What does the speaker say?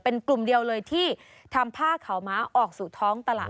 เป็นกลุ่มเดียวเลยที่ทำผ้าขาวม้าออกสู่ท้องตลาด